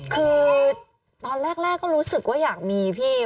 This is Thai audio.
คือตอนแรกก็รู้สึกว่าอยากมีพี่